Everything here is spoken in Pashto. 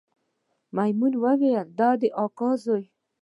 میمونې ویل د کاکا زویه